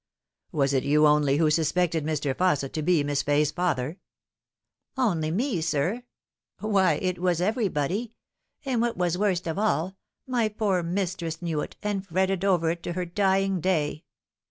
" Was it you only who suspected Mr. Fausset to be Miss Fay's father ?"" Only me, sir ? Why, it was everybody : and, what was worst of all, my poor mistress knew it, and fretted over it to hoc dying day."